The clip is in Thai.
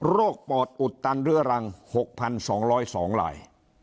ปอดอุดตันเรื้อรัง๖๒๐๒ลาย